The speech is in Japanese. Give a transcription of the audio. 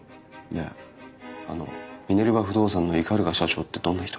ねえあのミネルヴァ不動産の鵤社長ってどんな人？